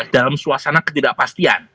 dalam suasana ketidakpastian